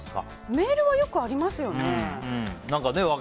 メールはよくありますよね。